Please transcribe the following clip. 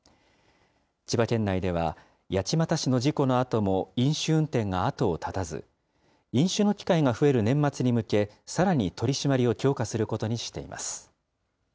千葉県内では、八街市の事故のあとも飲酒運転が後を絶たず、飲酒の機会が増える年末に向け、さらに取締りを強化することにしています。